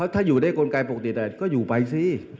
ถ้าอยู่ได้กลไกปกติก็อยู่ไปสิ